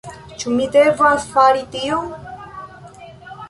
Ĉu mi devas fari tion?